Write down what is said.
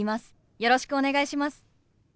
よろしくお願いします。